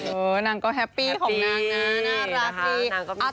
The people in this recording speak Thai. นางก็แฮปปี้ของนางนะน่ารักดี